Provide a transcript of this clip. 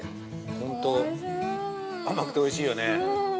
◆本当、甘くておいしいよね。